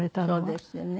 そうですよね。